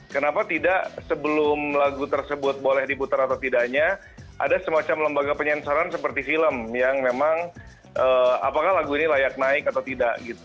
kenapa tidak sebelum lagu tersebut boleh diputar atau tidaknya ada semacam lembaga penyensaran seperti film yang memang apakah lagu ini layak naik atau tidak gitu